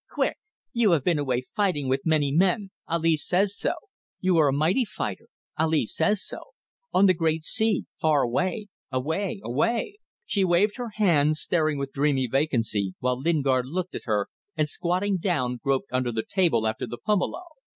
Quick! You have been away fighting with many men. Ali says so. You are a mighty fighter. Ali says so. On the great sea far away, away, away." She waved her hand, staring with dreamy vacancy, while Lingard looked at her, and squatting down groped under the table after the pumelo.